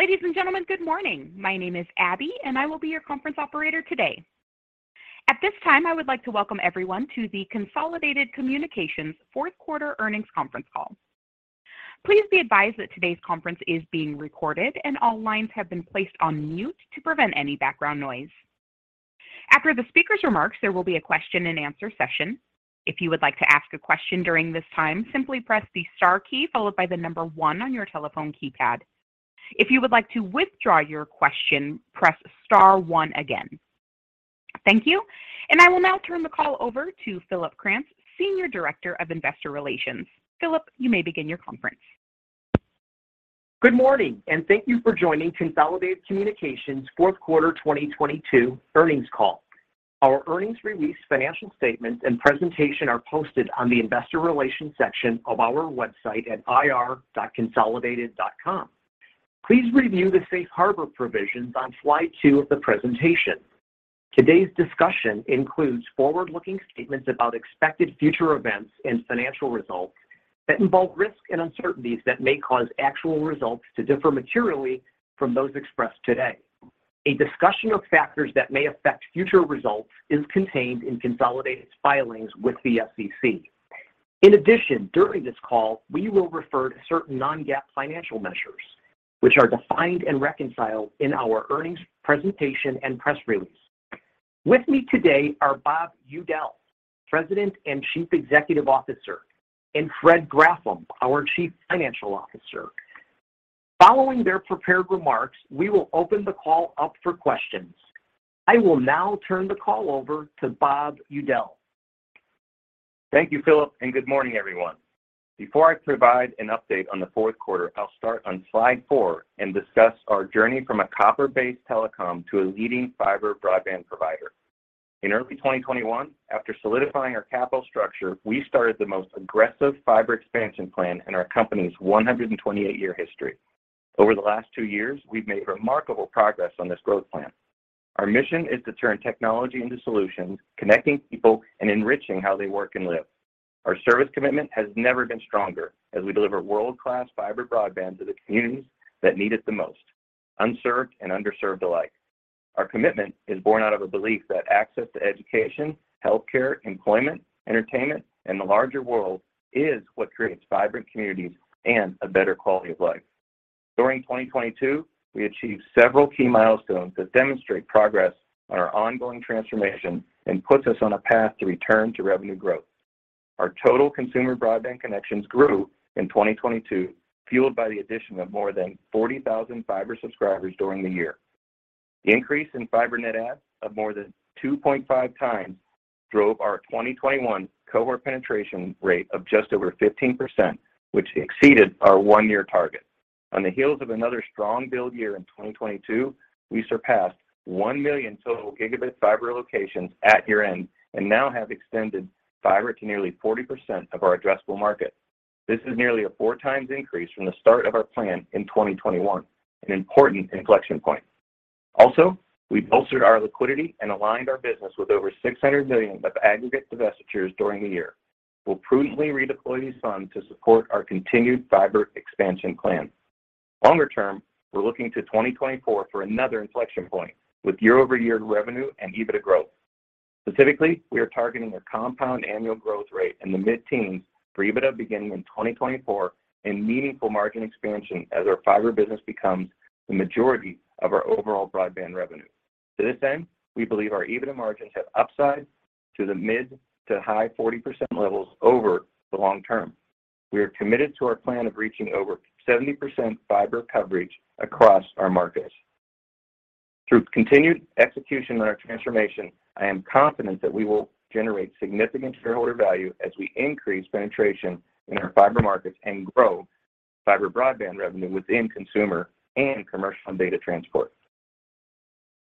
Ladies and gentlemen, good morning. My name is Abby, and I will be your conference operator today. At this time, I would like to welcome everyone to the Consolidated Communications Fourth Quarter Earnings Conference Call. Please be advised that today's conference is being recorded and all lines have been placed on mute to prevent any background noise. After the speaker's remarks, there will be a question and answer session. If you would like to ask a question during this time, simply press the star key followed by the number one on your telephone keypad. If you would like to withdraw your question, press star one again. Thank you. I will now turn the call over to Philip Kranz, Senior Director of Investor Relations. Philip, you may begin your conference. Good morning, thank you for joining Consolidated Communications Fourth Quarter 2022 Earnings Call. Our earnings release financial statements and presentation are posted on the investor relations section of our website at ir.consolidated.com. Please review the safe harbor provisions on slide two of the presentation. Today's discussion includes forward-looking statements about expected future events and financial results that involve risks and uncertainties that may cause actual results to differ materially from those expressed today. A discussion of factors that may affect future results is contained in Consolidated's filings with the SEC. During this call, we will refer to certain non-GAAP financial measures, which are defined and reconciled in our earnings presentation and press release. With me today are Bob Udell, President and Chief Executive Officer, and Fred Graffam, our Chief Financial Officer. Following their prepared remarks, we will open the call up for questions. I will now turn the call over to Bob Udell. Thank you, Philip, and good morning, everyone. Before I provide an update on the fourth quarter, I'll start on slide four and discuss our journey from a copper-based telecom to a leading fiber broadband provider. In early 2021, after solidifying our capital structure, we started the most aggressive fiber expansion plan in our company's 128-year history. Over the last two years, we've made remarkable progress on this growth plan. Our mission is to turn technology into solutions, connecting people and enriching how they work and live. Our service commitment has never been stronger as we deliver world-class fiber broadband to the communities that need it the most, unserved and underserved alike. Our commitment is born out of a belief that access to education, healthcare, employment, entertainment, and the larger world is what creates vibrant communities and a better quality of life. During 2022, we achieved several key milestones that demonstrate progress on our ongoing transformation and puts us on a path to return to revenue growth. Our total consumer broadband connections grew in 2022, fueled by the addition of more than 40,000 fiber subscribers during the year. The increase in fiber net adds of more than 2.5x drove our 2021 cohort penetration rate of just over 15%, which exceeded our one-year target. On the heels of another strong build year in 2022, we surpassed 1 million total gigabit fiber locations at year-end and now have extended fiber to nearly 40% of our addressable market. This is nearly a 4x increase from the start of our plan in 2021, an important inflection point. We bolstered our liquidity and aligned our business with over $600 million of aggregate divestitures during the year. We'll prudently redeploy these funds to support our continued fiber expansion plan. Longer term, we're looking to 2024 for another inflection point with year-over-year revenue and EBITDA growth. Specifically, we are targeting a compound annual growth rate in the mid-teens for EBITDA beginning in 2024 and meaningful margin expansion as our fiber business becomes the majority of our overall broadband revenue. To this end, we believe our EBITDA margins have upside to the mid to high 40% levels over the long term. We are committed to our plan of reaching over 70% fiber coverage across our markets. Through continued execution on our transformation, I am confident that we will generate significant shareholder value as we increase penetration in our fiber markets and grow fiber broadband revenue within consumer and commercial and data transport.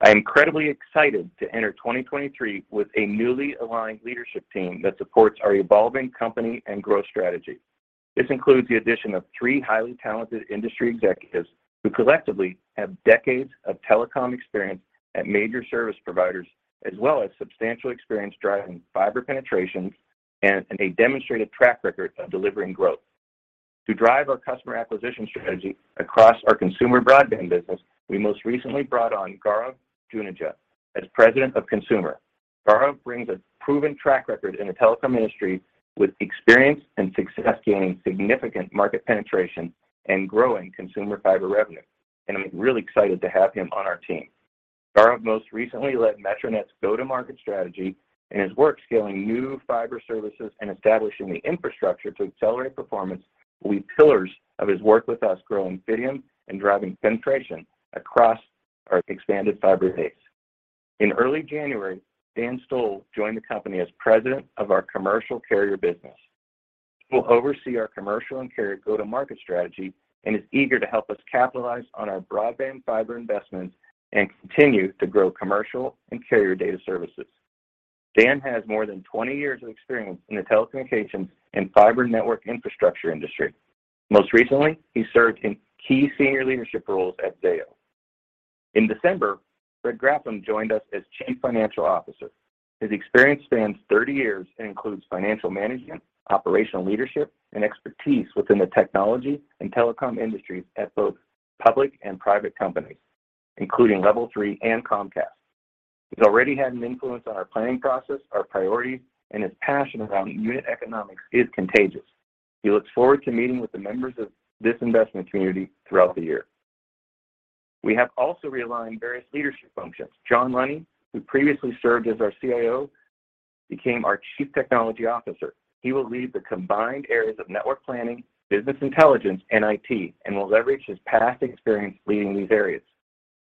I am incredibly excited to enter 2023 with a newly aligned leadership team that supports our evolving company and growth strategy. This includes the addition of three highly talented industry executives who collectively have decades of telecom experience at major service providers, as well as substantial experience driving fiber penetration and a demonstrated track record of delivering growth. To drive our customer acquisition strategy across our consumer broadband business, we most recently brought on Gaurav Juneja as President of Consumer. Gaurav brings a proven track record in the telecom industry with experience and success gaining significant market penetration and growing consumer fiber revenue, and I'm really excited to have him on our team. Gaurav most recently led Metronet's go-to-market strategy and his work scaling new fiber services and establishing the infrastructure to accelerate performance will be pillars of his work with us growing Fidium and driving penetration across our expanded fiber base. In early January, Dan Stoll joined the company as president of our commercial carrier business, will oversee our commercial and carrier go-to-market strategy, and is eager to help us capitalize on our broadband fiber investments and continue to grow commercial and carrier data services. Dan has more than 20 years of experience in the telecommunications and fiber network infrastructure industry. Most recently, he served in key senior leadership roles at Zayo. In December, Fred Graffam joined us as Chief Financial Officer. His experience spans 30 years and includes financial management, operational leadership, and expertise within the technology and telecom industries at both public and private companies, including Level 3 and Comcast. He's already had an influence on our planning process, our priorities, and his passion around unit economics is contagious. He looks forward to meeting with the members of this investment community throughout the year. We have also realigned various leadership functions. John Lunny, who previously served as our CIO, became our Chief Technology Officer. He will lead the combined areas of network planning, business intelligence, and IT, and will leverage his past experience leading these areas.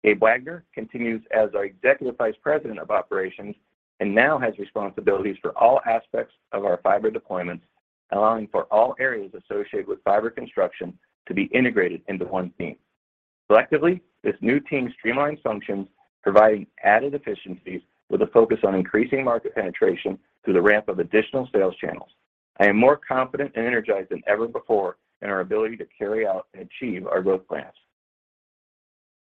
Gabe Waggoner continues as our Executive Vice President of Operations and now has responsibilities for all aspects of our fiber deployments, allowing for all areas associated with fiber construction to be integrated into one team. Collectively, this new team streamlines functions, providing added efficiencies with a focus on increasing market penetration through the ramp of additional sales channels. I am more confident and energized than ever before in our ability to carry out and achieve our growth plans.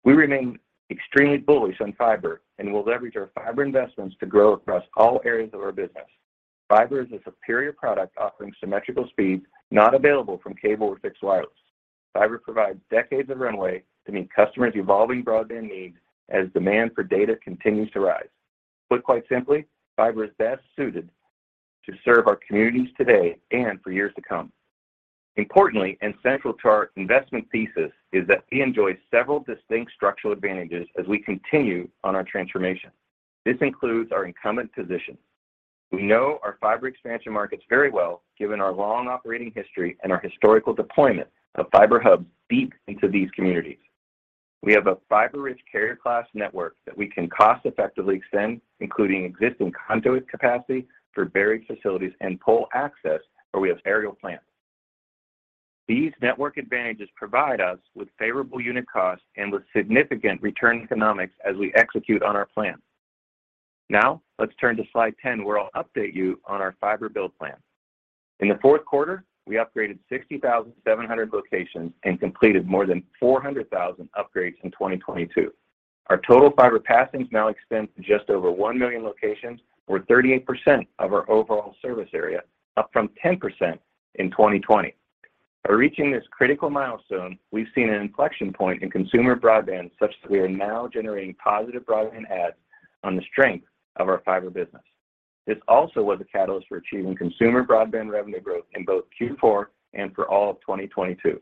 We remain extremely bullish on fiber and will leverage our fiber investments to grow across all areas of our business. Fiber is a superior product offering symmetrical speeds not available from cable or fixed wireless. Fiber provides decades of runway to meet customers' evolving broadband needs as demand for data continues to rise. Put quite simply, fiber is best suited to serve our communities today and for years to come. Importantly and central to our investment thesis is that we enjoy several distinct structural advantages as we continue on our transformation. This includes our incumbent position. We know our fiber expansion markets very well given our long operating history and our historical deployment of fiber hubs deep into these communities. We have a fiber-rich carrier class network that we can cost-effectively extend, including existing conduit capacity for buried facilities and pole access where we have aerial plans. These network advantages provide us with favorable unit costs and with significant return economics as we execute on our plans. Now, let's turn to slide 10 where I'll update you on our fiber build plan. In the fourth quarter, we upgraded 60,700 locations and completed more than 400,000 upgrades in 2022. Our total fiber passings now extend to just over 1 million locations or 38% of our overall service area, up from 10% in 2020. By reaching this critical milestone, we've seen an inflection point in consumer broadband such that we are now generating positive broadband adds on the strength of our fiber business. This also was a catalyst for achieving consumer broadband revenue growth in both Q4 and for all of 2022.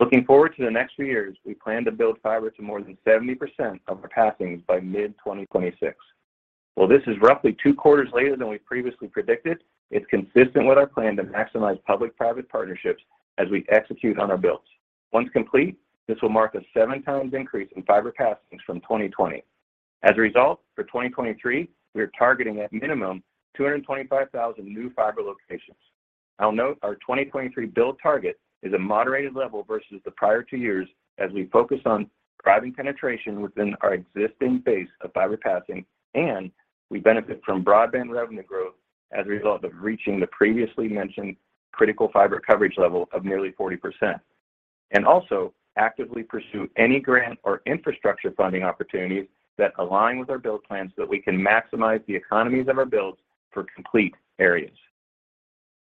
Looking forward to the next few years, we plan to build fiber to more than 70% of our passings by mid-2026. While this is roughly two quarters later than we previously predicted, it's consistent with our plan to maximize public-private partnerships as we execute on our builds. Once complete, this will mark a 7x increase in fiber passings from 2020. As a result, for 2023, we are targeting at minimum 225,000 new fiber locations. I'll note our 2023 build target is a moderated level versus the prior two years as we focus on driving penetration within our existing base of fiber passing and we benefit from broadband revenue growth as a result of reaching the previously mentioned critical fiber coverage level of nearly 40% and also actively pursue any grant or infrastructure funding opportunities that align with our build plans so that we can maximize the economies of our builds for complete areas.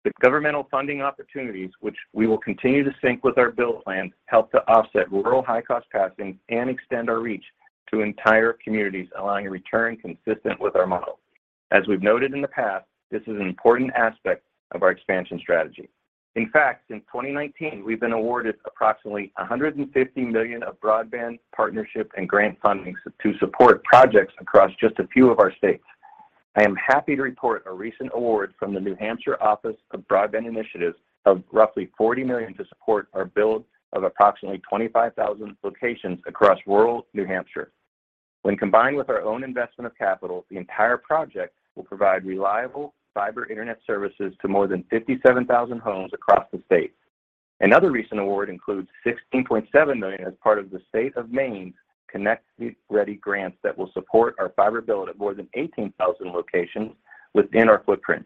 The governmental funding opportunities, which we will continue to sync with our build plans, help to offset rural high-cost passings and extend our reach to entire communities, allowing a return consistent with our model. As we've noted in the past, this is an important aspect of our expansion strategy. In fact, since 2019, we've been awarded approximately $150 million of broadband partnership and grant funding to support projects across just a few of our states. I am happy to report a recent award from the New Hampshire Office of Broadband Initiatives of roughly $40 million to support our build of approximately 25,000 locations across rural New Hampshire. When combined with our own investment of capital, the entire project will provide reliable fiber internet services to more than 57,000 homes across the state. Another recent award includes $16.7 million as part of the state of Maine ConnectMaine grants that will support our fiber build at more than 18,000 locations within our footprint.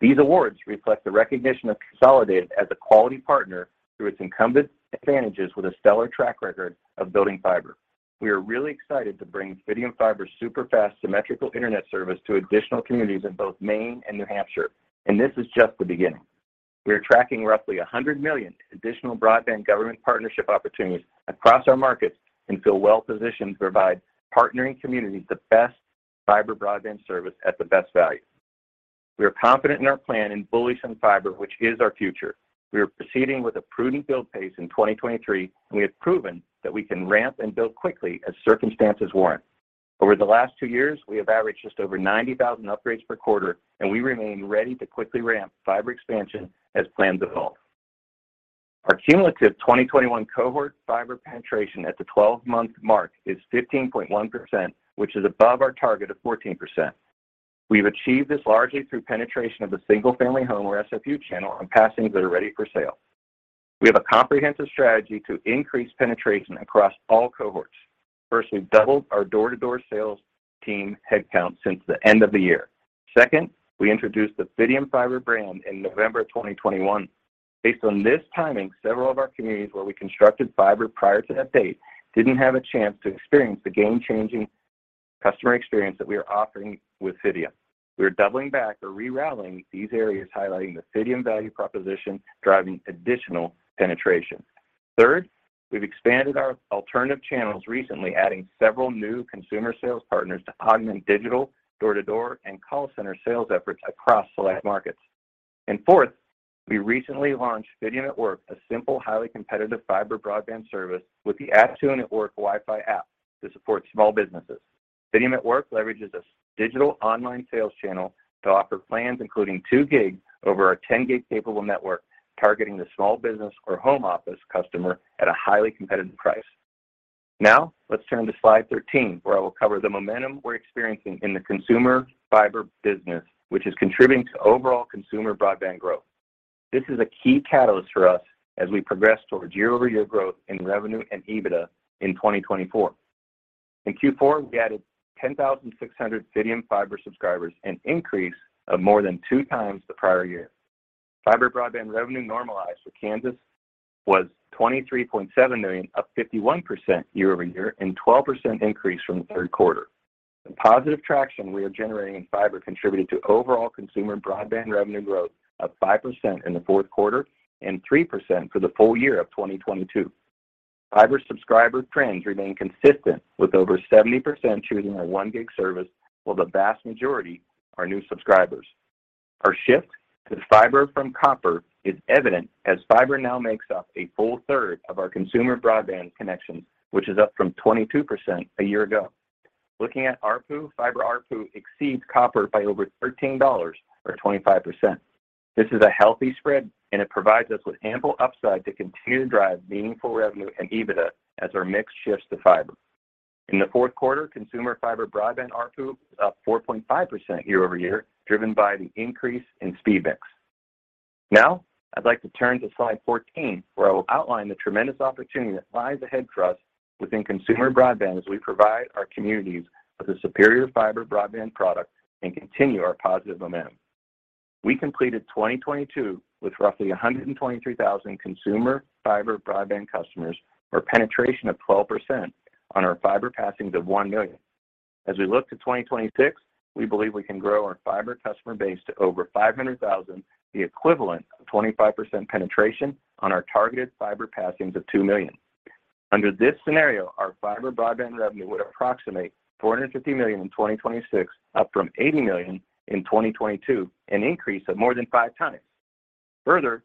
These awards reflect the recognition of Consolidated as a quality partner through its incumbent advantages with a stellar track record of building fiber. We are really excited to bring Fidium Fiber's superfast symmetrical internet service to additional communities in both Maine and New Hampshire, and this is just the beginning. We are tracking roughly $100 million additional broadband government partnership opportunities across our markets and feel well-positioned to provide partnering communities the best fiber broadband service at the best value. We are confident in our plan and bullish on fiber, which is our future. We are proceeding with a prudent build pace in 2023, and we have proven that we can ramp and build quickly as circumstances warrant. Over the last two years, we have averaged just over 90,000 upgrades per quarter, and we remain ready to quickly ramp fiber expansion as plans evolve. Our cumulative 2021 cohort fiber penetration at the 12-month mark is 15.1%, which is above our target of 14%. We've achieved this largely through penetration of the single-family home or SFU channel on passings that are ready for sale. We have a comprehensive strategy to increase penetration across all cohorts. First, we've doubled our door-to-door sales team headcount since the end of the year. Second, we introduced the Fidium Fiber brand in November of 2021. Based on this timing, several of our communities where we constructed fiber prior to that date didn't have a chance to experience the game-changing customer experience that we are offering with Fidium. We are doubling back or re-routing these areas, highlighting the Fidium value proposition, driving additional penetration. Third, we've expanded our alternative channels recently, adding several new consumer sales partners to augment digital, door-to-door, and call center sales efforts across select markets. Fourth, we recently launched Fidium at Work, a simple, highly competitive fiber broadband service with the add-to-and-at-work Wi-Fi app to support small businesses. Fidium at Work leverages a digital online sales channel to offer plans including 2 gig over our 10 gig capable network, targeting the small business or home office customer at a highly competitive price. Let's turn to slide 13, where I will cover the momentum we're experiencing in the consumer fiber business, which is contributing to overall consumer broadband growth. This is a key catalyst for us as we progress towards year-over-year growth in revenue and EBITDA in 2024. In Q4, we added 10,600 Fidium Fiber subscribers, an increase of more than 2x the prior year. Fiber broadband revenue normalized for Kansas was $23.7 million, up 51% year-over-year and 12% increase from the third quarter. The positive traction we are generating in fiber contributed to overall consumer broadband revenue growth of 5% in the fourth quarter and 3% for the full year of 2022. Fiber subscriber trends remain consistent with over 70% choosing our 1 gig service, while the vast majority are new subscribers. Our shift to fiber from copper is evident as fiber now makes up a full third of our consumer broadband connections, which is up from 22% a year ago. Looking at ARPU, fiber ARPU exceeds copper by over $13, or 25%. This is a healthy spread, and it provides us with ample upside to continue to drive meaningful revenue and EBITDA as our mix shifts to fiber. In the fourth quarter, consumer fiber broadband ARPU was up 4.5% year-over-year, driven by the increase in speed mix. Now I'd like to turn to slide 14, where I will outline the tremendous opportunity that lies ahead for us within consumer broadband as we provide our communities with a superior fiber broadband product and continue our positive momentum. We completed 2022 with roughly 123,000 consumer fiber broadband customers for penetration of 12% on our fiber passings of 1 million. As we look to 2026, we believe we can grow our fiber customer base to over 500,000, the equivalent of 25% penetration on our targeted fiber passings of 2 million. Under this scenario, our fiber broadband revenue would approximate $450 million in 2026, up from $80 million in 2022, an increase of more than 5x. Further,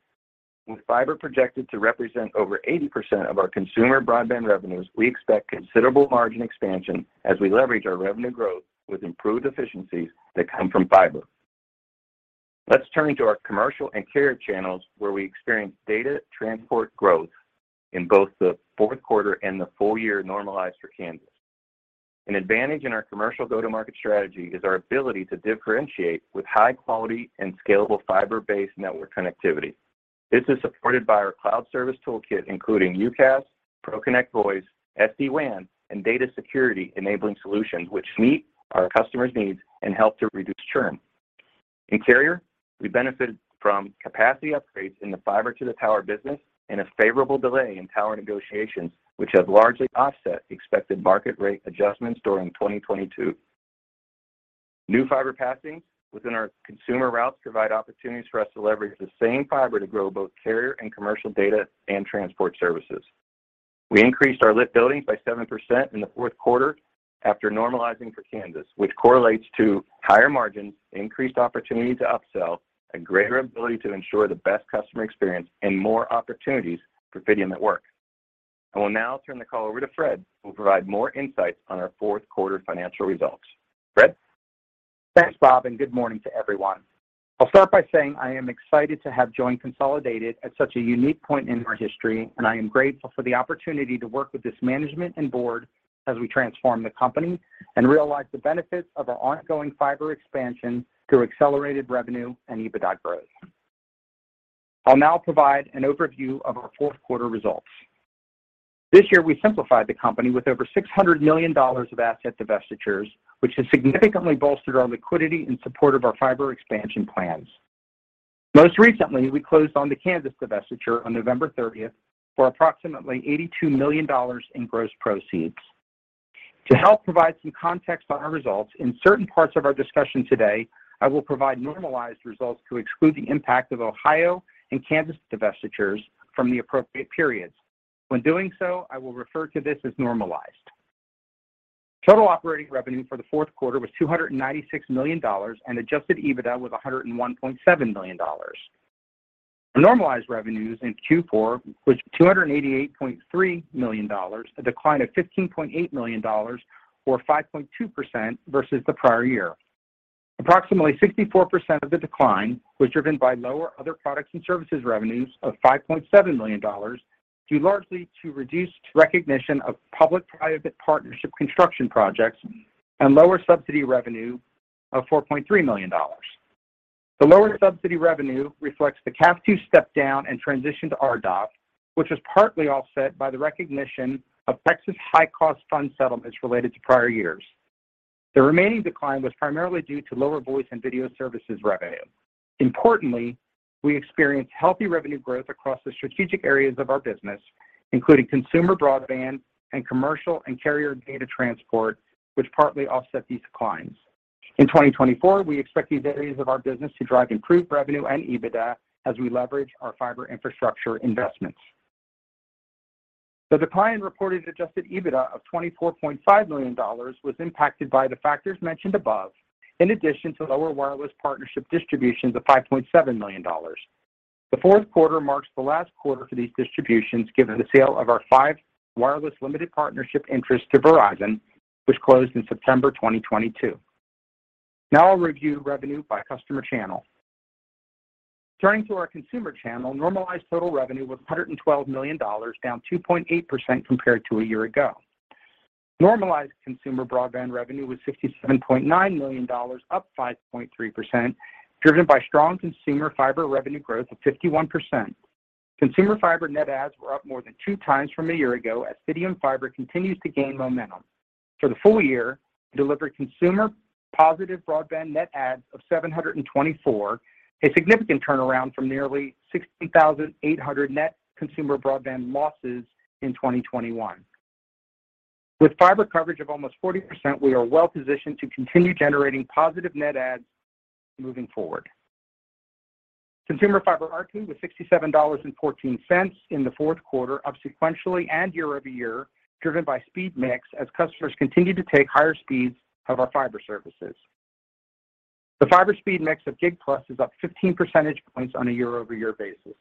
with fiber projected to represent over 80% of our consumer broadband revenues, we expect considerable margin expansion as we leverage our revenue growth with improved efficiencies that come from fiber. Let's turn to our commercial and carrier channels, where we experience data transport growth in both the fourth quarter and the full year normalized for Kansas. An advantage in our commercial go-to-market strategy is our ability to differentiate with high quality and scalable fiber-based network connectivity. This is supported by our cloud service toolkit, including UCaaS, ProConnect Voice, SD-WAN, and data security enabling solutions which meet our customers' needs and help to reduce churn. In carrier, we benefited from capacity upgrades in the fiber to the tower business and a favorable delay in tower negotiations, which have largely offset expected market rate adjustments during 2022. New fiber passings within our consumer routes provide opportunities for us to leverage the same fiber to grow both carrier and commercial data and transport services. We increased our lit buildings by 7% in the fourth quarter after normalizing for Kansas, which correlates to higher margins, increased opportunity to upsell, a greater ability to ensure the best customer experience, and more opportunities for Fidium at Work. I will now turn the call over to Fred, who will provide more insights on our fourth quarter financial results. Fred? Thanks, Bob, good morning to everyone. I'll start by saying I am excited to have joined Consolidated at such a unique point in our history, and I am grateful for the opportunity to work with this management and board as we transform the company and realize the benefits of our ongoing fiber expansion through accelerated revenue and EBITDA growth. I'll now provide an overview of our fourth quarter results. This year, we simplified the company with over $600 million of asset divestitures, which has significantly bolstered our liquidity in support of our fiber expansion plans. Most recently, we closed on the Kansas divestiture on November 30th for approximately $82 million in gross proceeds. To help provide some context on our results, in certain parts of our discussion today, I will provide normalized results to exclude the impact of Ohio and Kansas divestitures from the appropriate periods. When doing so, I will refer to this as normalized. Total operating revenue for the fourth quarter was $296 million, and adjusted EBITDA was $101.7 million. Normalized revenues in Q4 was $288.3 million, a decline of $15.8 million or 5.2% versus the prior year. Approximately 64% of the decline was driven by lower other products and services revenues of $5.7 million, due largely to reduced recognition of public-private partnership construction projects and lower subsidy revenue of $4.3 million. The lower subsidy revenue reflects the CAF2 step down and transition to RDOF, which was partly offset by the recognition of Texas High Cost fund settlements related to prior years. The remaining decline was primarily due to lower voice and video services revenue. Importantly, we experienced healthy revenue growth across the strategic areas of our business, including consumer broadband and commercial and carrier data transport, which partly offset these declines. In 2024, we expect these areas of our business to drive improved revenue and EBITDA as we leverage our fiber infrastructure investments. The decline in reported adjusted EBITDA of $24.5 million was impacted by the factors mentioned above, in addition to lower wireless partnership distributions of $5.7 million. The fourth quarter marks the last quarter for these distributions, given the sale of our five wireless limited partnership interest to Verizon, which closed in September 2022. Now I'll review revenue by customer channel. Turning to our consumer channel, normalized total revenue was $112 million, down 2.8% compared to a year ago. Normalized consumer broadband revenue was $67.9 million, up 5.3%, driven by strong consumer fiber revenue growth of 51%. Consumer fiber net adds were up more than 2 times from a year ago as Fidium Fiber continues to gain momentum. For the full year, we delivered consumer positive broadband net adds of 724, a significant turnaround from nearly 60,800 net consumer broadband losses in 2021. With fiber coverage of almost 40%, we are well positioned to continue generating positive net adds moving forward. Consumer fiber ARPU was $67.14 in the fourth quarter, up sequentially and year-over-year, driven by speed mix as customers continued to take higher speeds of our fiber services. The fiber speed mix of gig plus is up 15 percentage points on a year-over-year basis.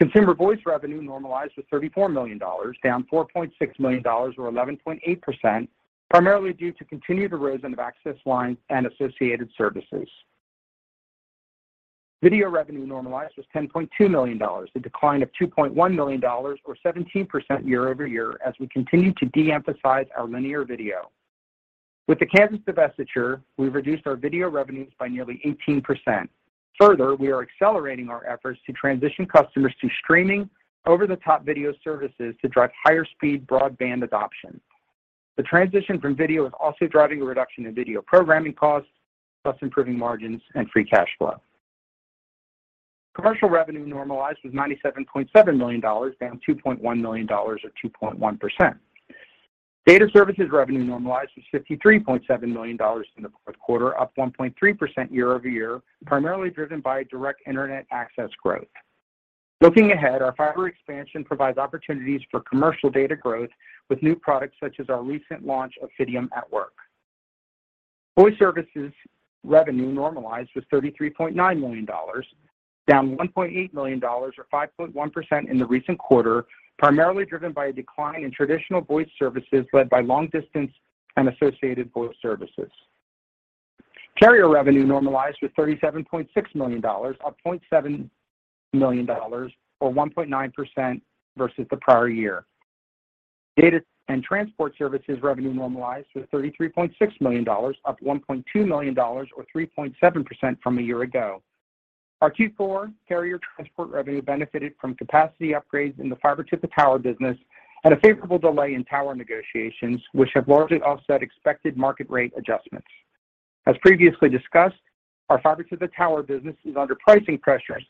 Consumer voice revenue normalized to $34 million, down $4.6 million or 11.8%, primarily due to continued erosion of access lines and associated services. Video revenue normalized was $10.2 million, a decline of $2.1 million or 17% year-over-year as we continue to de-emphasize our linear video. With the Kansas divestiture, we've reduced our video revenues by nearly 18%. Further, we are accelerating our efforts to transition customers to streaming over-the-top video services to drive higher speed broadband adoption. The transition from video is also driving a reduction in video programming costs, thus improving margins and free cash flow. Commercial revenue normalized was $97.7 million, down $2.1 million or 2.1%. Data services revenue normalized was $53.7 million in the fourth quarter, up 1.3% year-over-year, primarily driven by direct internet access growth. Looking ahead, our fiber expansion provides opportunities for commercial data growth with new products such as our recent launch of Fidium at Work. Voice services revenue normalized was $33.9 million, down $1.8 million or 5.1% in the recent quarter, primarily driven by a decline in traditional voice services led by long distance and associated voice services. Carrier revenue normalized was $37.6 million, up $0.7 million or 1.9% versus the prior year. Data and transport services revenue normalized was $33.6 million, up $1.2 million or 3.7% from a year ago. Our Q4 carrier transport revenue benefited from capacity upgrades in the fiber to the tower business and a favorable delay in tower negotiations, which have largely offset expected market rate adjustments. As previously discussed, our fiber to the tower business is under pricing pressures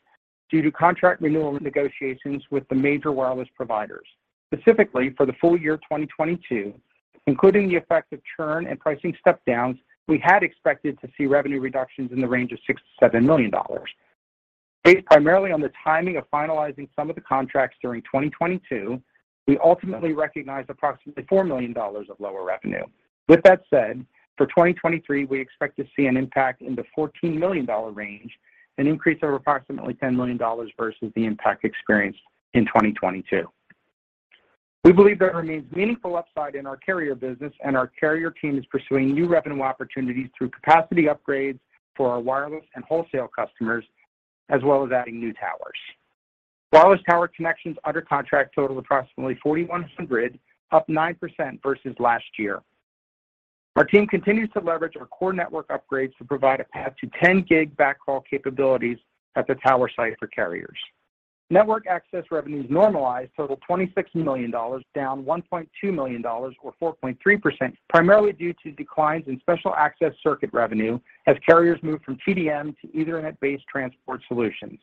due to contract renewal negotiations with the major wireless providers. Specifically, for the full year 2022, including the effect of churn and pricing step downs, we had expected to see revenue reductions in the range of $6 million-$7 million. Based primarily on the timing of finalizing some of the contracts during 2022, we ultimately recognized approximately $4 million of lower revenue. With that said, for 2023, we expect to see an impact in the $14 million range, an increase of approximately $10 million versus the impact experienced in 2022. We believe there remains meaningful upside in our carrier business. Our carrier team is pursuing new revenue opportunities through capacity upgrades for our wireless and wholesale customers, as well as adding new towers. Wireless tower connections under contract total approximately 4,100, up 9% versus last year. Our team continues to leverage our core network upgrades to provide a path to 10 gig backhaul capabilities at the tower site for carriers. Network access revenues normalized total $26 million, down $1.2 million or 4.3%, primarily due to declines in special access circuit revenue as carriers move from TDM to Ethernet-based transport solutions.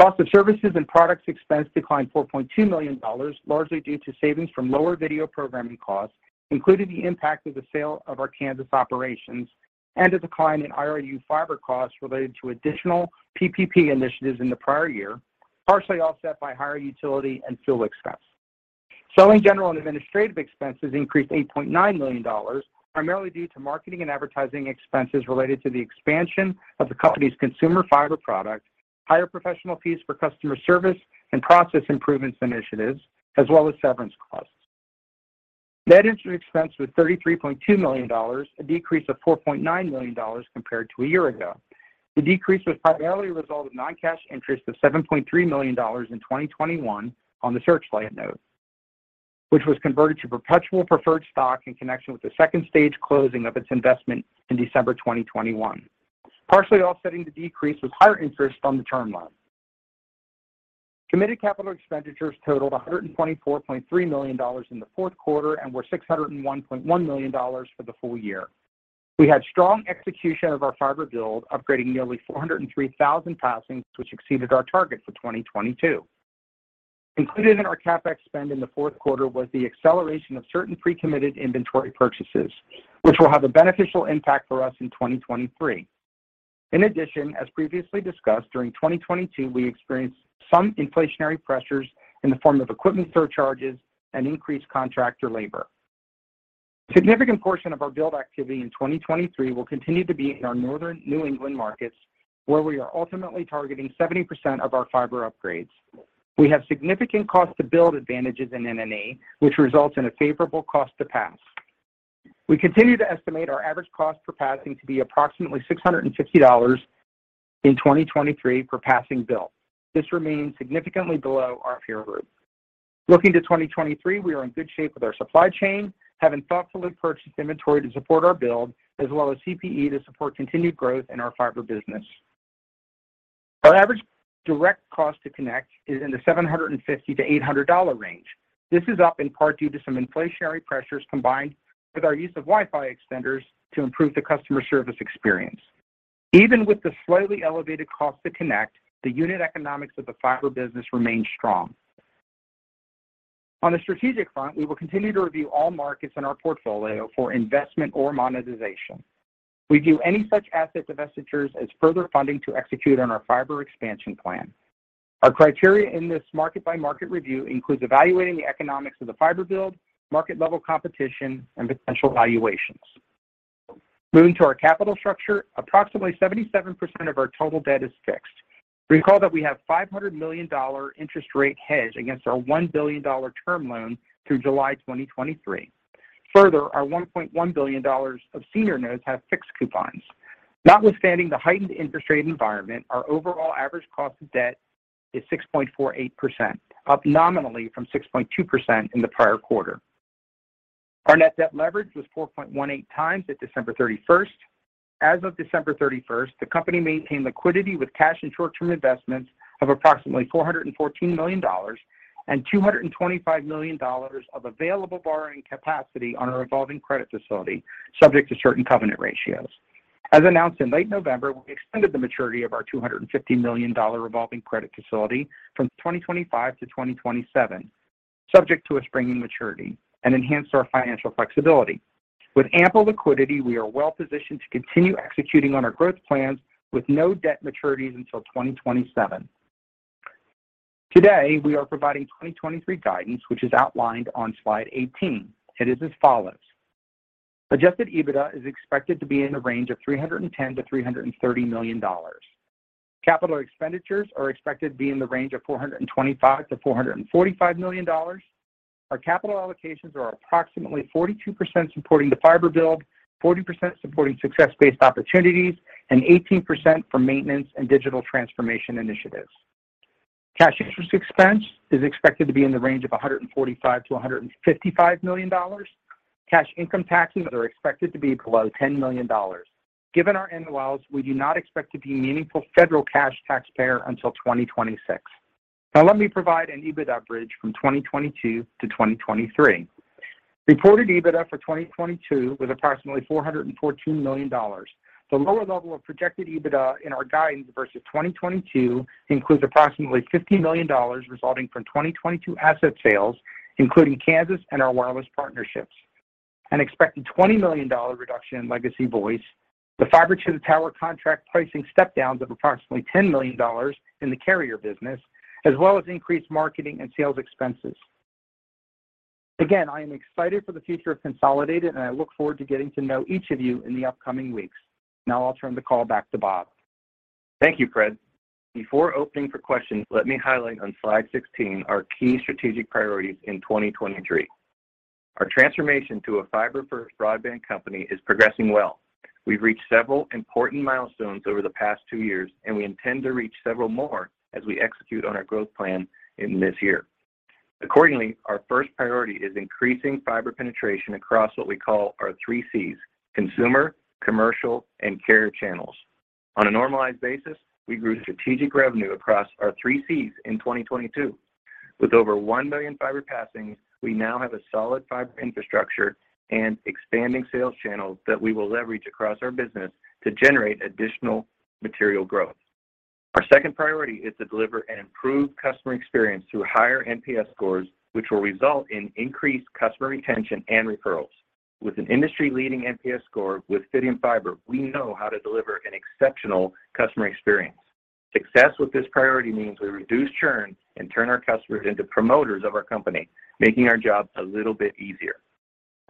Cost of services and products expense declined $4.2 million, largely due to savings from lower video programming costs, including the impact of the sale of our Kansas operations and a decline in IRU fiber costs related to additional PPP initiatives in the prior year, partially offset by higher utility and fuel expense. Selling general and administrative expenses increased $8.9 million, primarily due to marketing and advertising expenses related to the expansion of the company's consumer fiber products, higher professional fees for customer service and process improvements initiatives, as well as severance costs. Net interest expense was $33.2 million, a decrease of $4.9 million compared to a year ago. The decrease was primarily a result of non-cash interest of $7.3 million in 2021 on the Searchlight note, which was converted to perpetual preferred stock in connection with the second stage closing of its investment in December 2021. Partially offsetting the decrease was higher interest on the term loan. Committed capital expenditures totaled $124.3 million in the fourth quarter and were $601.1 million for the full year. We had strong execution of our fiber build, upgrading nearly 403,000 passings, which exceeded our target for 2022. Included in our CapEx spend in the fourth quarter was the acceleration of certain pre-committed inventory purchases, which will have a beneficial impact for us in 2023. In addition, as previously discussed, during 2022, we experienced some inflationary pressures in the form of equipment surcharges and increased contractor labor. Significant portion of our build activity in 2023 will continue to be in our northern New England markets, where we are ultimately targeting 70% of our fiber upgrades. We have significant cost to build advantages in N&A, which results in a favorable cost to pass. We continue to estimate our average cost per passing to be approximately $650 in 2023 per passing build. This remains significantly below our peer group. Looking to 2023, we are in good shape with our supply chain, having thoughtfully purchased inventory to support our build, as well as CPE to support continued growth in our fiber business. Our average direct cost to connect is in the $750-$800 range. This is up in part due to some inflationary pressures combined with our use of Wi-Fi extenders to improve the customer service experience. Even with the slightly elevated cost to connect, the unit economics of the fiber business remain strong. On the strategic front, we will continue to review all markets in our portfolio for investment or monetization. We view any such asset divestitures as further funding to execute on our fiber expansion plan. Our criteria in this market by market review includes evaluating the economics of the fiber build, market level competition, and potential valuations. Moving to our capital structure, approximately 77% of our total debt is fixed. Recall that we have $500 million interest rate hedge against our $1 billion term loan through July 2023. Further, our $1.1 billion of senior notes have fixed coupons. Notwithstanding the heightened interest rate environment, our overall average cost of debt is 6.48%, up nominally from 6.2% in the prior quarter. Our net debt leverage was 4.18x at December 31st. As of December 31st, the company maintained liquidity with cash and short-term investments of approximately $414 million and $225 million of available borrowing capacity on our revolving credit facility, subject to certain covenant ratios. As announced in late November, we extended the maturity of our $250 million revolving credit facility from 2025 to 2027, subject to a spring in maturity, and enhanced our financial flexibility. With ample liquidity, we are well-positioned to continue executing on our growth plans with no debt maturities until 2027. Today, we are providing 2023 guidance, which is outlined on slide 18. It is as follows. Adjusted EBITDA is expected to be in the range of $310 million-$330 million. Capital expenditures are expected to be in the range of $425 million-$445 million. Our capital allocations are approximately 42% supporting the fiber build, 40% supporting success-based opportunities, and 18% for maintenance and digital transformation initiatives. Cash interest expense is expected to be in the range of $145 million-$155 million. Cash income taxes are expected to be below $10 million. Given our NOLs, we do not expect to be a meaningful federal cash taxpayer until 2026. Now let me provide an EBITDA bridge from 2022 to 2023. Reported EBITDA for 2022 was approximately $414 million. The lower level of projected EBITDA in our guidance versus 2022 includes approximately $50 million resulting from 2022 asset sales, including Kansas and our wireless partnerships, an expected $20 million reduction in legacy voice, the fiber to the tower contract pricing step downs of approximately $10 million in the carrier business, as well as increased marketing and sales expenses. Again, I am excited for the future of Consolidated, and I look forward to getting to know each of you in the upcoming weeks. Now I'll turn the call back to Bob. Thank you, Fred. Before opening for questions, let me highlight on slide 16 our key strategic priorities in 2023. Our transformation to a fiber-first broadband company is progressing well. We've reached several important milestones over the past two years, and we intend to reach several more as we execute on our growth plan in this year. Accordingly, our first priority is increasing fiber penetration across what we call our three Cs, consumer, commercial, and carrier channels. On a normalized basis, we grew strategic revenue across our three Cs in 2022. With over 1 million fiber passings, we now have a solid fiber infrastructure and expanding sales channels that we will leverage across our business to generate additional material growth. Our second priority is to deliver an improved customer experience through higher NPS scores, which will result in increased customer retention and referrals. With an industry-leading NPS score with Fidium Fiber, we know how to deliver an exceptional customer experience. Success with this priority means we reduce churn and turn our customers into promoters of our company, making our jobs a little bit easier.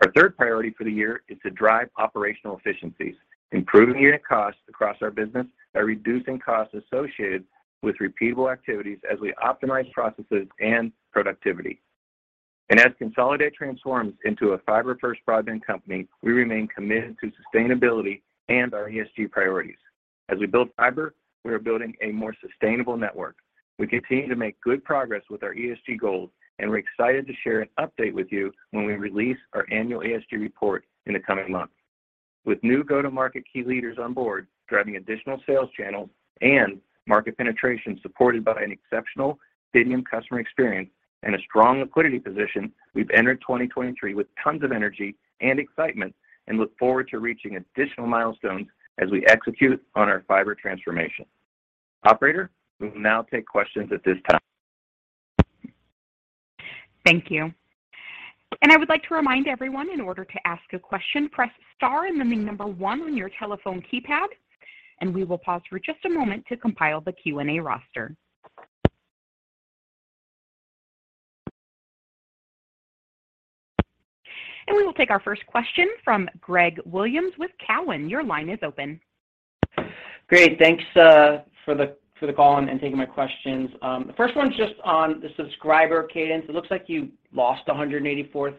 Our third priority for the year is to drive operational efficiencies, improving unit costs across our business by reducing costs associated with repeatable activities as we optimize processes and productivity. As Consolidated transforms into a fiber first broadband company, we remain committed to sustainability and our ESG priorities. As we build fiber, we are building a more sustainable network. We continue to make good progress with our ESG goals, and we're excited to share an update with you when we release our annual ESG report in the coming months. With new go-to-market key leaders on board, driving additional sales channels and market penetration supported by an exceptional Fidium customer experience and a strong liquidity position, we've entered 2023 with tons of energy and excitement, and look forward to reaching additional milestones as we execute on our fiber transformation. Operator, we will now take questions at this time. Thank you. I would like to remind everyone, in order to ask a question, press star and then 1 on your telephone keypad, and we will pause for just a moment to compile the Q&A roster. We will take our first question from Greg Williams with Cowen. Your line is open. Great. Thanks for the call and taking my questions. The first one is just on the subscriber cadence. It looks like you lost 184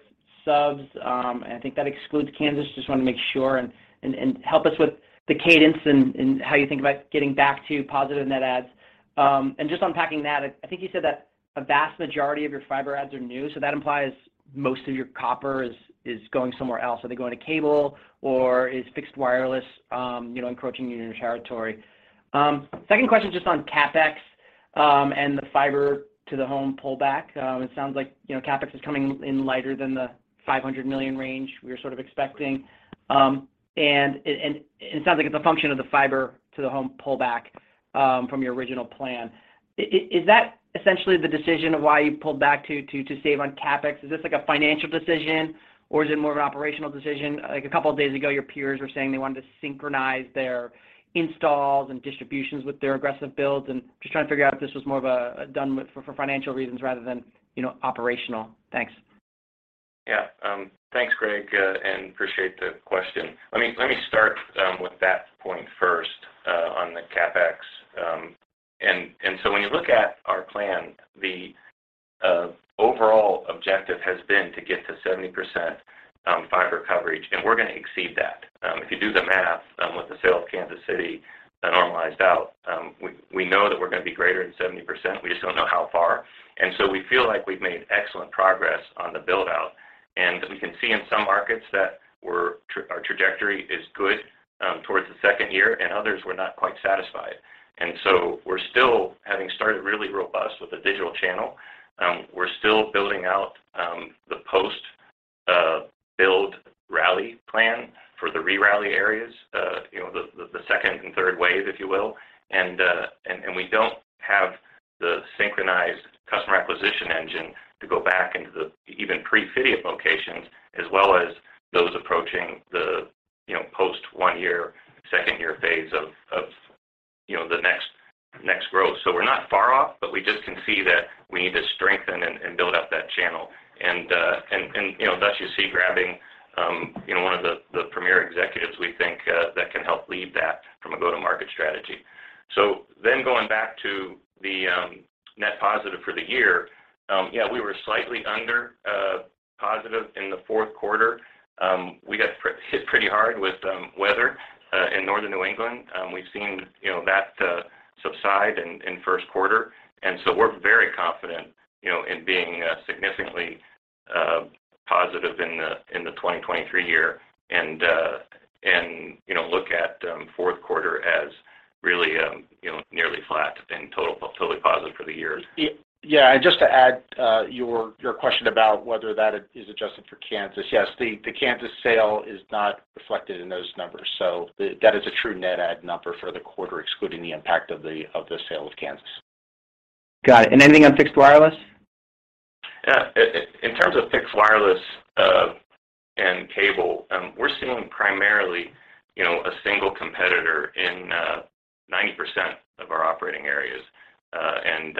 subs, and I think that excludes Kansas. Just want to make sure and help us with the cadence and how you think about getting back to positive net adds. And just unpacking that, I think you said that a vast majority of your fiber adds are new, so that implies most of your copper is going somewhere else. Are they going to cable or is fixed wireless, you know, encroaching in your territory? Second question just on CapEx and the fiber to the home pullback. It sounds like, you know, CapEx is coming in lighter than the $500 million range we were sort of expecting. It sounds like it's a function of the fiber to the home pullback from your original plan. Is that essentially the decision of why you pulled back to save on CapEx? Is this like a financial decision or is it more of an operational decision? Like, a couple of days ago, your peers were saying they wanted to synchronize their installs and distributions with their aggressive builds, and just trying to figure out if this was more of a done with for financial reasons rather than, you know, operational. Thanks. Yeah. Thanks, Greg, appreciate the question. Let me start with that point first on the CapEx. When you look at our plan, the overall objective has been to get to 70% fiber coverage, we're gonna exceed that. If you do the math, with the sale of Kansas City normalized out, we know that we're gonna be greater than 70%. We just don't know how far. We feel like we've made excellent progress on the build-out. We can see in some markets that our trajectory is good towards the second year and others we're not quite satisfied. We're still having started really robust with a digital channel. We're still building out the post build rally plan for the re-rally areas, you know, the second and thirdd wave, if you will. We don't have the synchronized customer acquisition engine to go back into the even pre-Fidium locations as well as those approaching the, you know, post one year, second year phase of, you know, the next growth. We're not far off, but we just can see that we need to strengthen and build out that channel. You know, thus you see grabbing, you know, one of the premier executives we think that can help lead that from a go-to-market strategy. Going back to the net positive for the year. We were slightly under positive in the Q4. We got hit pretty hard with weather in northern New England. We've seen, you know, that subside in first quarter. We're very confident, you know, in being significantly positive in the 2023 year and, you know, look at fourth quarter as really, you know, nearly flat and totally positive for the year. Yeah. Just to add, your question about whether that is adjusted for Kansas. Yes, the Kansas sale is not reflected in those numbers. That is a true net add number for the quarter, excluding the impact of the sale of Kansas. Got it. Anything on fixed wireless? Yeah. In terms of fixed wireless, and cable, we're seeing primarily, you know, a single competitor in 90% of our operating areas, and,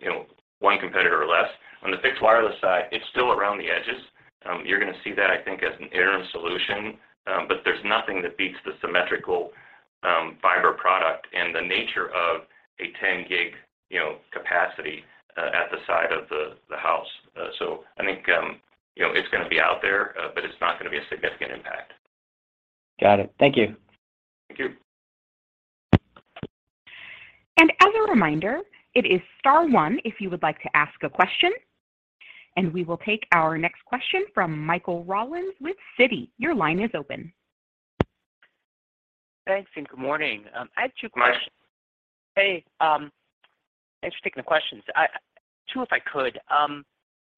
you know, 1 competitor or less. On the fixed wireless side, it's still around the edges. You're gonna see that, I think, as an interim solution, but there's nothing that beats the symmetrical, fiber product and the nature of a 10 gig, you know, capacity, at the side of the house. I think, you know, it's gonna be out there, but it's not gonna be a significant impact. Got it. Thank you. Thank you. As a reminder, it is star one if you would like to ask a question, and we will take our next question from Michael Rollins with Citi. Your line is open. Thanks, good morning. I had two questions. Hi. Hey. Thanks for taking the questions. Two, if I could.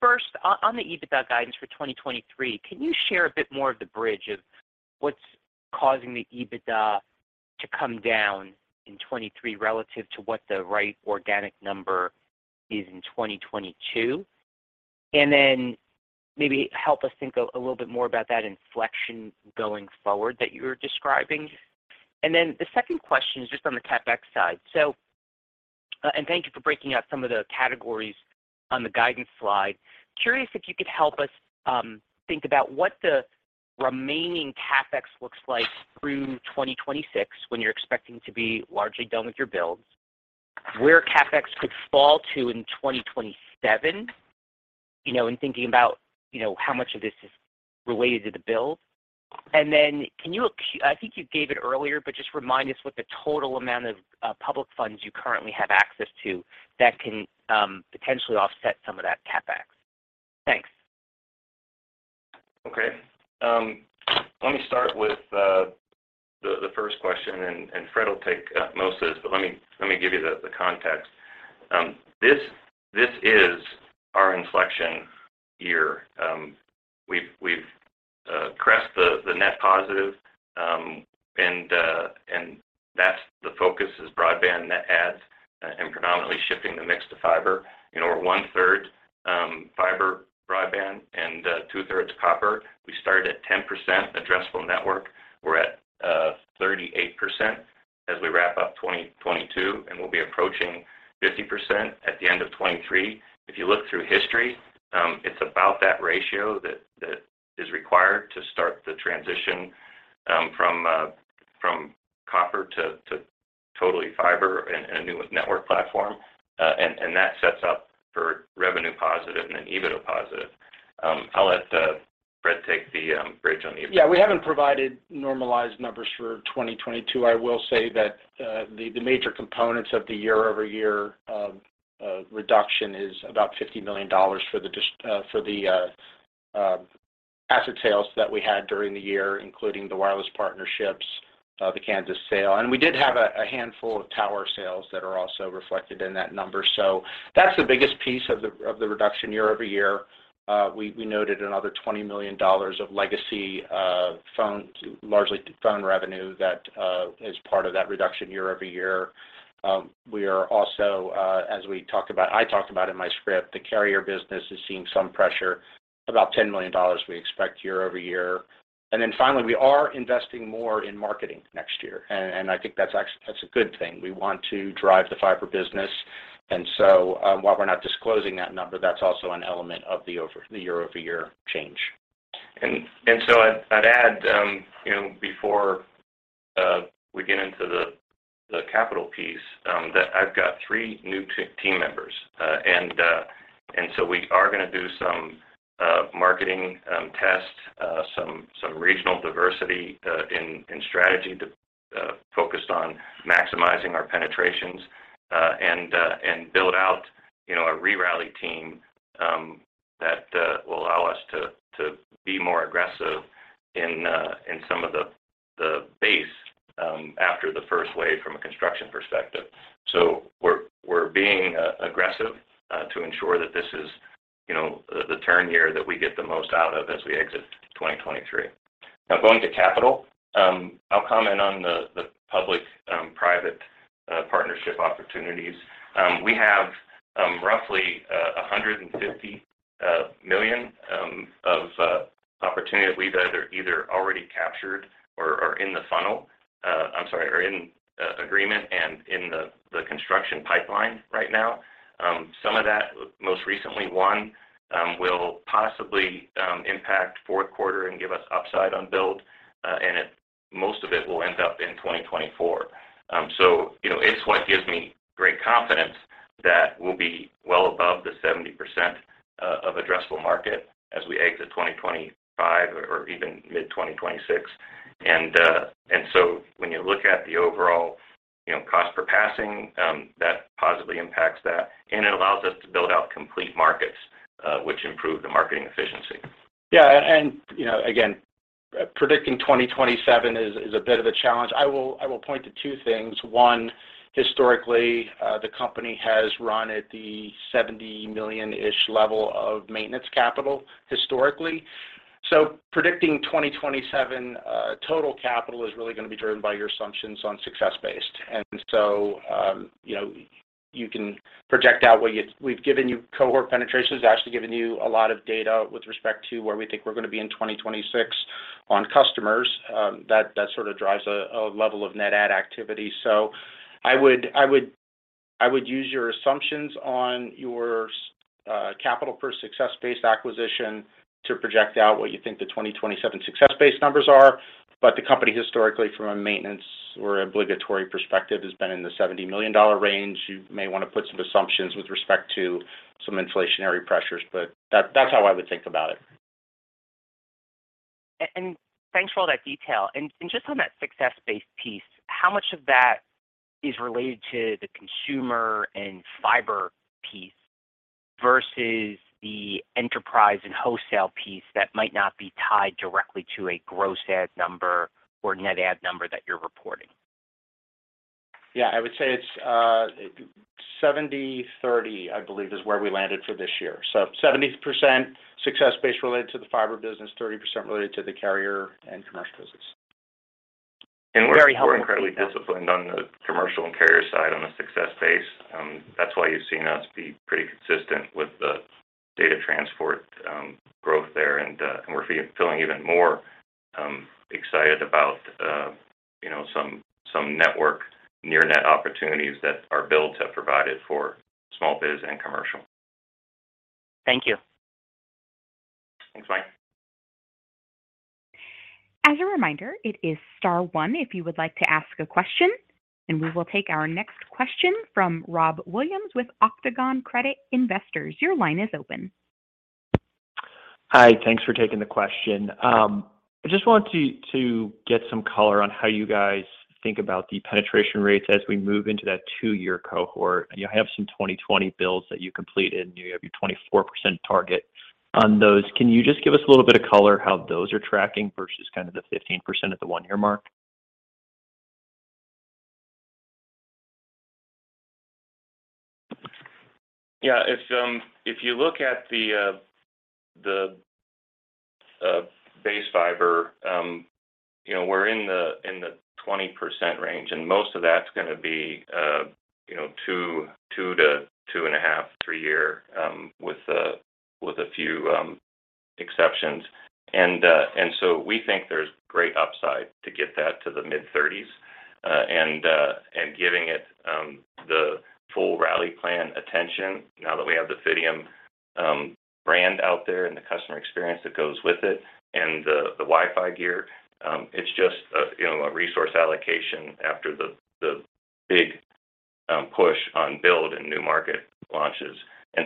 First, on the EBITDA guidance for 2023, can you share a bit more of the bridge of what's causing the EBITDA to come down in 2023 relative to what the right organic number is in 2022? Maybe help us think a little bit more about that inflection going forward that you're describing. The second question is just on the CapEx side. Thank you for breaking out some of the categories on the guidance slide. Curious if you could help us think about what the remaining CapEx looks like through 2026 when you're expecting to be largely done with your builds, where CapEx could fall to in 2027, you know, in thinking about, you know, how much of this is related to the build. Can you I think you gave it earlier, but just remind us what the total amount of public funds you currently have access to that can potentially offset some of that CapEx? Thanks. Okay. Let me start with the first question, Fred will take most of this, but let me give you the context. This is our inflection year. We've crest the net positive, that's the focus is broadband net adds, predominantly shifting the mix to fiber. You know, we're 1/3 fiber broadband and 2/3 copper. We started at 10% addressable network. We're at 38% as we wrap up 2022, and we'll be approaching 50% at the end of 2023. If you look through history, it's about that ratio that is required to start the transition from copper to totally fiber and a new network platform. That sets up for revenue positive and then EBITDA positive. I'll let Fred take the bridge on the EBITDA. Yeah, we haven't provided normalized numbers for 2022. I will say that the major components of the year-over-year reduction is about $50 million for the asset sales that we had during the year, including the wireless partnerships, the Kansas sale. We did have a handful of tower sales that are also reflected in that number. That's the biggest piece of the reduction year-over-year. We noted another $20 million of legacy phone, largely phone revenue that is part of that reduction year-over-year. We are also, as I talked about in my script, the carrier business is seeing some pressure, about $10 million we expect year-over-year. Finally, we are investing more in marketing next year. I think that's a good thing. We want to drive the fiber business. While we're not disclosing that number, that's also an element of the year-over-year change. I'd add, you know, before we get into the capital piece, that I've got three new team members. We are gonna do some marketing tests, some regional diversity in strategy to focus on maximizing our penetrations and build out, you know, a rally team that will allow us to be more aggressive in some of the base after the first wave from a construction perspective. We're being aggressive to ensure that this is, you know, the turn year that we get the most out of as we exit 2023. Going to capital, I'll comment on the public private partnership opportunities. We have roughly $150 million of opportunities we've already captured or in the funnel. I'm sorry, are in agreement and in the construction pipeline right now. Some of that, most recently one, will possibly impact fourth quarter and give us upside on build, most of it will end up in 2024. You know, it's what gives me great confidence that we'll be well above the 70% of addressable market as we exit 2025 or even mid-2026. When you look at the overall, you know, cost per passing, that positively impacts that, and it allows us to build out complete markets, which improve the marketing efficiency. Yeah. You know, again, predicting 2027 is a bit of a challenge. I will point to 2 things. One, historically, the company has run at the $70 million-ish level of maintenance capital historically. Predicting 2027, total capital is really gonna be driven by your assumptions on success-based. You know, you can project out what you we've given you cohort penetrations. Ashley's given you a lot of data with respect to where we think we're gonna be in 2026 on customers. That sort of drives a level of net add activity. I would use your assumptions on your capital per success-based acquisition to project out what you think the 2027 success-based numbers are. The company historically from a maintenance or obligatory perspective has been in the $70 million range. You may wanna put some assumptions with respect to some inflationary pressures, but that's how I would think about it. Thanks for all that detail. Just on that success-based piece, how much of that is related to the consumer and fiber piece versus the enterprise and wholesale piece that might not be tied directly to a gross add number or net add number that you're reporting? Yeah. I would say it's 70/30, I believe, is where we landed for this year. 70% success based related to the fiber business, 30% related to the carrier and commercial business. Very helpful. We're incredibly disciplined on the commercial and carrier side on the success base. That's why you've seen us be pretty consistent with the data transport, growth there. We're feeling even more excited about, you know, some network near net opportunities that our builds have provided for small biz and commercial. Thank you. Thanks, Mike. As a reminder, it is star 1 if you would like to ask a question. We will take our next question from Robbie Williams with Octagon Credit Investors. Your line is open. Hi. Thanks for taking the question. I just want to get some color on how you guys think about the penetration rates as we move into that two-year cohort. You have some 2020 builds that you completed, and you have your 24% target on those. Can you just give us a little bit of color how those are tracking versus kind of the 15% at the one-year mark? Yeah. If you look at the base fiber, you know, we're in the 20% range, and most of that's gonna be, you know, two to 2.5, three year, with a few exceptions. We think there's great upside to get that to the mid-30s. Giving it the full rally plan attention now that we have the Fidium brand out there and the customer experience that goes with it and the Wi-Fi gear, it's just a, you know, a resource allocation after the big push on build and new market launches.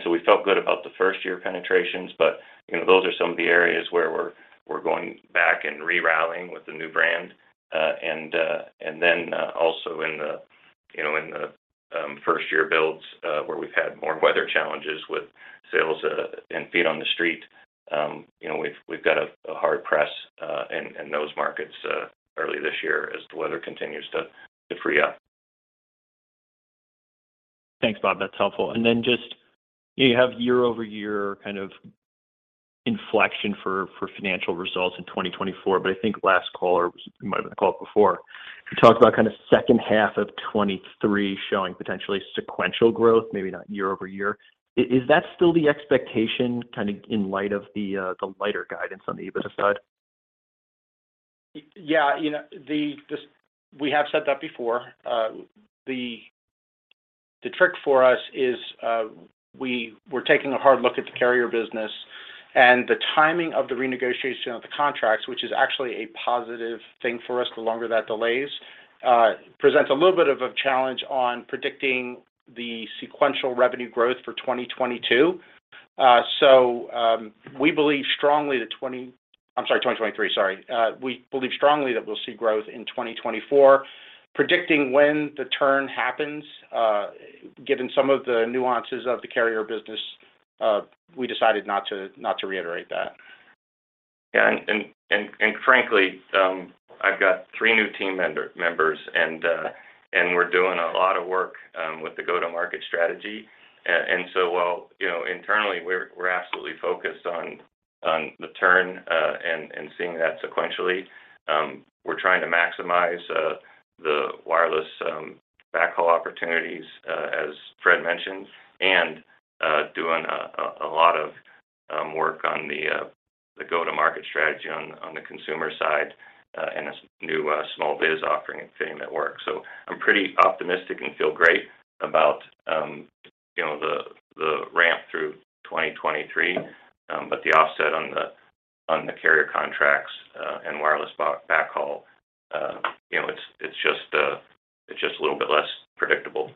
We felt good about the first-year penetrations, but, you know, those are some of the areas where we're going back and re-rallying with the new brand. Also in the, you know, in the first-year builds, where we've had more weather challenges with sales, and feet on the street, you know, we've got a hard press in those markets early this year as the weather continues to free up. Thanks, Bob. That's helpful. Then just, you have year-over-year kind of inflection for financial results in 2024, but I think last call or it might have been the call before, you talked about kind of second half of 2023 showing potentially sequential growth, maybe not year-over-year. Is that still the expectation kind of in light of the lighter guidance on the EBITDA side? You know, we have said that before. The trick for us is, we're taking a hard look at the carrier business and the timing of the renegotiation of the contracts, which is actually a positive thing for us, the longer that delays, presents a little bit of a challenge on predicting the sequential revenue growth for 2022. We believe strongly that 2023. We believe strongly that we'll see growth in 2024. Predicting when the turn happens, given some of the nuances of the carrier business, we decided not to reiterate that. Yeah. And frankly, I've got three new team members and we're doing a lot of work with the go-to-market strategy. While, you know, internally we're absolutely focused on the turn and seeing that sequentially, we're trying to maximize the wireless backhaul opportunities, as Fred mentioned, and doing a lot of work on the go-to-market strategy on the consumer side, and this new small biz offering at Fidium Network. I'm pretty optimistic and feel great about, you know, the ramp through 2023. The offset on the carrier contracts and wireless backhaul, you know, it's just a little bit less predictable.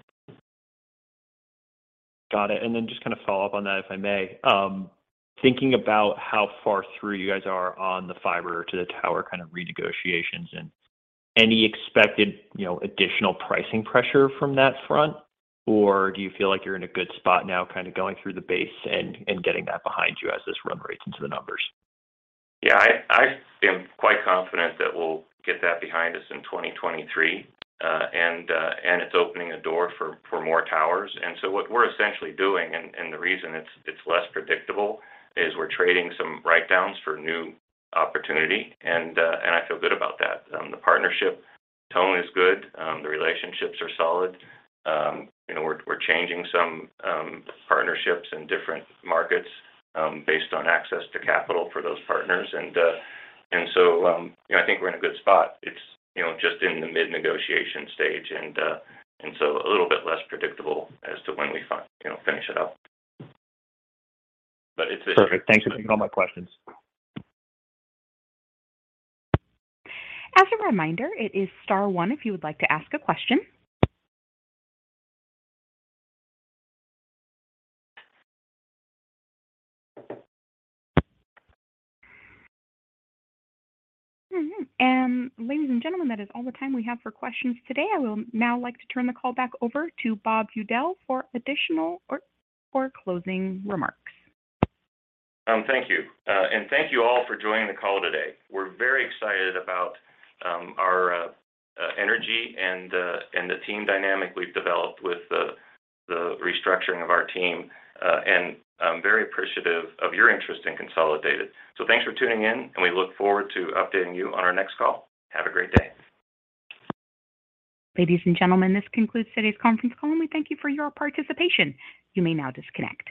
Got it. Then just kind of follow up on that, if I may. Thinking about how far through you guys are on the fiber to the tower kind of renegotiations and any expected, you know, additional pricing pressure from that front, or do you feel like you're in a good spot now kind of going through the base and getting that behind you as this reverberates into the numbers? Yeah, I am quite confident that we'll get that behind us in 2023. It's opening a door for more towers. What we're essentially doing, and the reason it's less predictable is we're trading some write-downs for new opportunity and I feel good about that. The partnership tone is good. The relationships are solid. You know, we're changing some partnerships in different markets based on access to capital for those partners. So, you know, I think we're in a good spot. It's, you know, just in the mid-negotiation stage and so a little bit less predictable as to when we, you know, finish it up. It's. Perfect. Thanks for taking all my questions. As a reminder, it is star one if you would like to ask a question. Ladies and gentlemen, that is all the time we have for questions today. I will now like to turn the call back over to Bob Udell for additional or for closing remarks. Thank you. Thank you all for joining the call today. We're very excited about our energy and the team dynamic we've developed with the restructuring of our team. I'm very appreciative of your interest in Consolidated. Thanks for tuning in, and we look forward to updating you on our next call. Have a great day. Ladies and gentlemen, this concludes today's conference call, and we thank you for your participation. You may now disconnect.